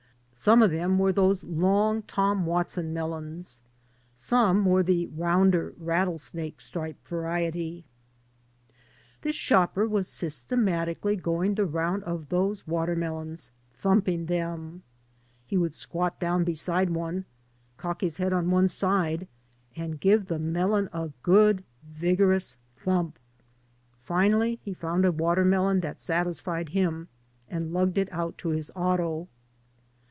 Some of them were those long Ibm tfatson melons. Some were the rounder rattlesnake stripe varieties. This shopper was systematically going the round of those watermelons, thumping them. He would squat down "beside one, cock his head on one side, and give the melon a good vigorous thump. Finally he found a watermelon that satis fied him, and lugged it out to his auto.